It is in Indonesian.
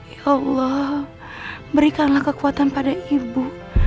ya allah berikanlah kekuatan pada ibu